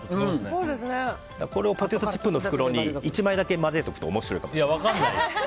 これをポテトチップの袋に１枚だけ混ぜておくといや分からない。